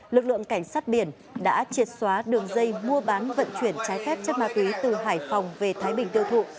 lực lượng cảnh sát biển đã triệt xóa đường dây mua bán vận chuyển trái phép chất ma túy từ hải phòng về thái bình tiêu thụ